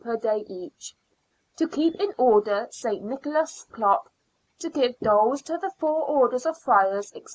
per day each ; to keep in order St. Nicholas' clock ; to give doles to the four orders of Friars, &c.